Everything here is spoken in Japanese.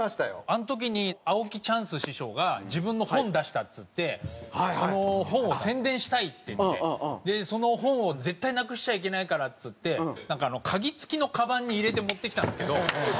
あの時に青木チャンス師匠が自分の本出したっつってその本を宣伝したいっていってその本を絶対なくしちゃいけないからっつって鍵付きのかばんに入れて持ってきたんですけど。